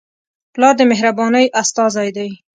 پلار د مهربانۍ استازی دی.